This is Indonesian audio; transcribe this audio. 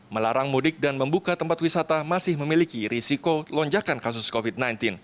melarang mudik dan membuka tempat wisata masih memiliki risiko lonjakan kasus covid sembilan belas